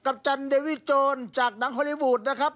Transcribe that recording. จันเดวิโจรจากหนังฮอลลี่วูดนะครับ